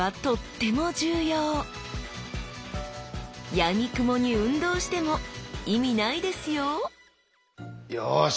やみくもに運動しても意味ないですよよし！